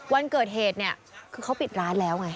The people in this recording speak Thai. วันเกิดเหตุเนี่ยคือเขาปิดร้านแล้วไง